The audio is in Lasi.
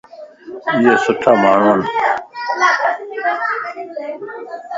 ايي سٺا ماڻھو ائين.